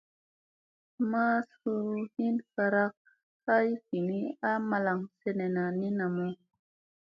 Masu hin varak ay vini a malaŋ senena ni namu.